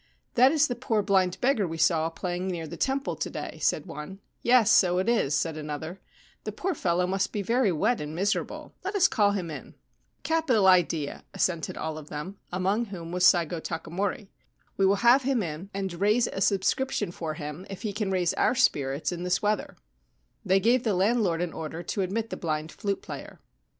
< That is the poor blind beggar we saw playing near the temple to day/ said one. ' Yes : so it is,' said another. * The poor fellow must be very wet and miserable. Let us call him in.' c A capital idea,' assented all of them, among whom was Saigo Takamori. ' We will have him in and raise a 224 THE SENTRY FINDS WATANABE TATSUZO ON THE PINE BRANCH A Stormy Night's Tragedy subscription for him if he can raise our spirits in this weather.' They gave the landlord an order to admit the blind flute player.